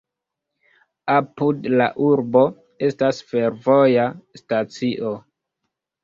Apud la urbo estas fervoja stacio.